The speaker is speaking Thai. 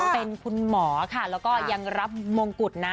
เป็นคุณหมอค่ะแล้วก็ยังรับมงกุฎนะ